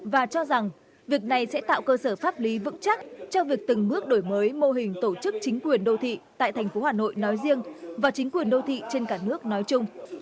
và cho rằng việc này sẽ tạo cơ sở pháp lý vững chắc cho việc từng bước đổi mới mô hình tổ chức chính quyền đô thị tại thành phố hà nội nói riêng và chính quyền đô thị trên cả nước nói chung